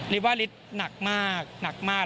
ลิฟต์ว่าลิศน์หนักมากหนักมาก